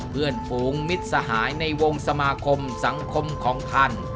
สูงมิตรสหายในวงสมาคมสังคมของท่าน